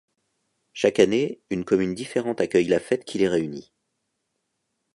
Chaque année, une commune différente accueille la fête qui les réunit.